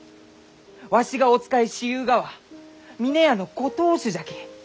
わしがお仕えしゆうがは峰屋のご当主じゃき。